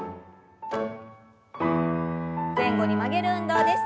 前後に曲げる運動です。